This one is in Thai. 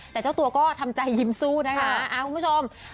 แต่เจ้าตัวก็ทำใจยิ้มสู้นะคะคุณผู้ชม